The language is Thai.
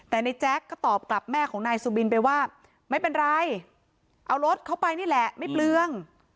แต่ในแจ๊กก็ตอบกลับแม่ของนายสุบินไปว่าไม่เป็นไรเอารถเข้าไปนี่แหละไม่เปลือง